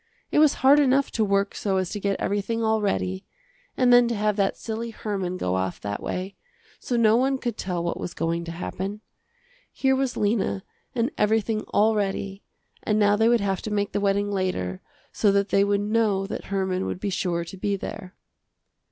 It was hard enough to work so as to get everything all ready, and then to have that silly Herman go off that way, so no one could tell what was going to happen. Here was Lena and everything all ready, and now they would have to make the wedding later so that they would know that Herman would be sure to be there.